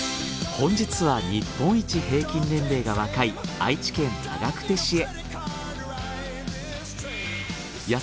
本日は日本一平均年齢が若い愛知県長久手市へ。